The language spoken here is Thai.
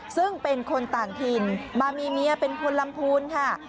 ซึ่งเป็นคนต่างถิ่นมามีเมียเป็นคนลำพูนค่ะ